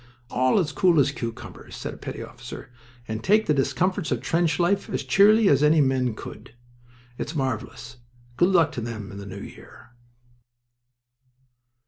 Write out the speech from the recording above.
"All as cool as cucumbers," said a petty officer, "and take the discomforts of trench life as cheerily as any men could. It's marvelous. Good luck to them in the new year!"